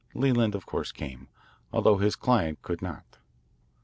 Leland of course came, although his client could not.